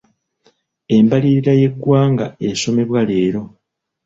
Embalirira y'eggwanga esomebwa leero.